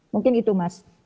mungkin itu mas